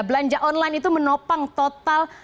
belanja online itu menopang total